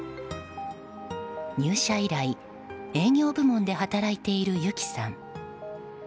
入社以来、営業部門で働いているゆきさん。